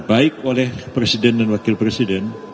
baik oleh presiden dan wakil presiden